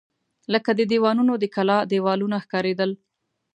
لکه د دیوانو د کلا دېوالونه ښکارېدل.